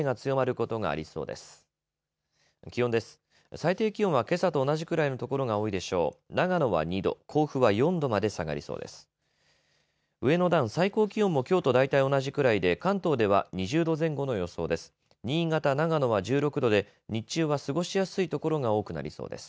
上の段、最高気温もきょうと大体同じくらいで関東では２０度前後の予想です。